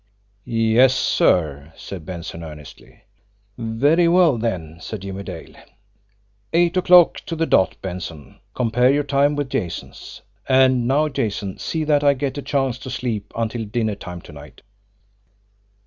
"Yes, sir," said Benson earnestly. "Very well, then," said Jimmie Dale. "Eight o'clock to the dot, Benson compare your time with Jason's. And now, Jason, see that I get a chance to sleep until dinner time to night."